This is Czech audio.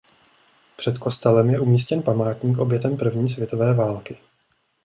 Před kostelem je umístěn památník obětem první světové války.